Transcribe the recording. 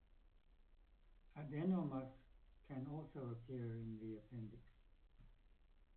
Adenomas can also appear in the appendix.